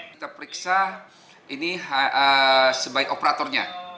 kita periksa ini sebaik operatornya